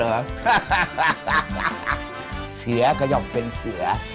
เดี๋ยวกับเสือกะหย่อมเป็นเสือ